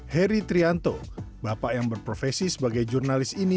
heri trianto bapak yang berprofesi sebagai jurnalis ini